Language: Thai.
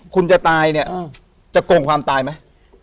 คุณจะตายเนี่ยจะโกงความตายไหม